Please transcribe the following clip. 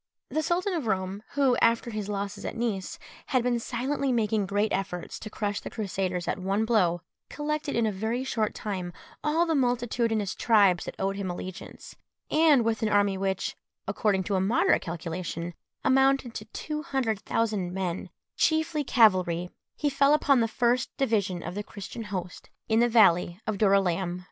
The Sultan of Roum, who, after his losses at Nice, had been silently making great efforts to crush the Crusaders at one blow, collected in a very short time all the multitudinous tribes that owed him allegiance, and with an army which, according to a moderate calculation, amounted to two hundred thousand men, chiefly cavalry, he fell upon the first division of the Christian host in the valley of Dorylæum.